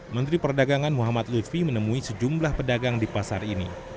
menteri perdagangan muhammad lutfi menemui sejumlah pedagang di pasar ini